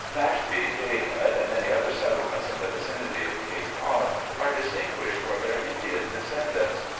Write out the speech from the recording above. Mashpee, Gay Head, and many other settlements in the vicinity of Cape Cod, are distinguished for their Indian descendants.